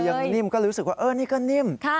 นิ่มก็รู้สึกว่าเออนี่ก็นิ่ม